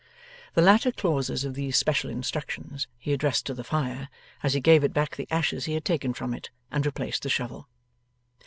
The latter clauses of these special instructions he addressed to the fire, as he gave it back the ashes he had taken from it, and replaced the shovel.